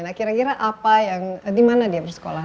nah kira kira apa yang di mana dia bersekolah